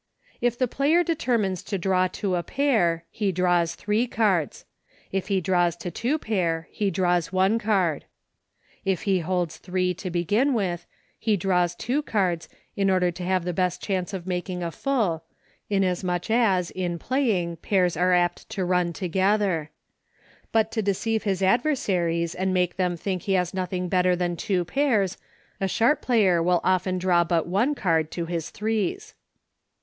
If the player determines to draw to a pair, he draws three cards. If he draws to two pair, he draws one card. RULES FOR PLAYING DRAW POKER. 141 If he holds three to begin with, he draws two cards, in order to have the best chance of making a full, inasmuch as, in playing, pairs are apt to run together. But to deceive his adversaries and make them think he has nothing better than two pairs, a sharp player will often draw but one card to his threes.